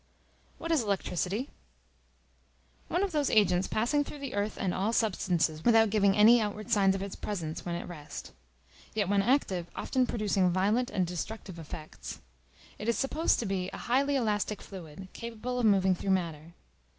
What is Electricity? One of those agents passing through the earth and all substances, without giving any outward signs of its presence, when at rest; yet when active, often producing violent and destructive effects. It is supposed to be a highly elastic fluid, capable of moving through matter.